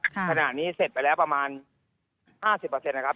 ค่ะขนาดนี้เสร็จไปแล้วประมาณห้าสิบเปอร์เซ็นต์นะครับ